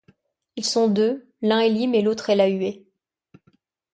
Ils sont-deux ; l’un est l’hymne et l’autre est la huée.